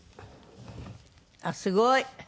あっすごい！